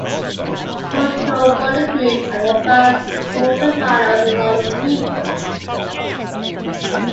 Portugal won the group and advanced to the quarter-finals, along with Greece.